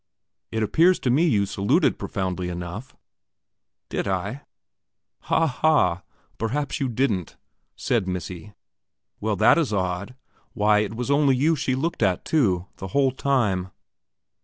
"It appears to me you saluted profoundly enough." "Did I?" "Ha, ha! perhaps you didn't," said "Missy." "Well, that is odd. Why, it was only at you she looked, too, the whole time."